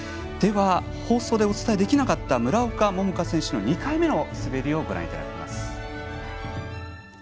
では、放送でお伝えできなかった村岡桃佳選手の２回目の滑りをご覧ください。